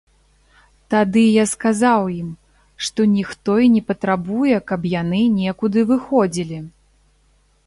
Тады я сказаў ім, што ніхто і не патрабуе, каб яны некуды выходзілі.